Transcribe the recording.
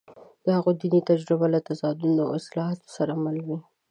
د هغوی دیني تجربه له تضادونو او اصلاحاتو سره مله وه.